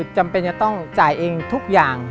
จำเป็นจะต้องจ่ายเองทุกอย่าง